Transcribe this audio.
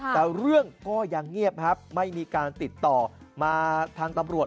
แต่เรื่องก็ยังเงียบครับไม่มีการติดต่อมาทางตำรวจ